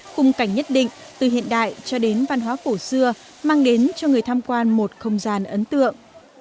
khung cảnh nhất định từ hiện đại cho đến văn hóa cổ xưa mang đến cho người tham quan một không gian ấn tượng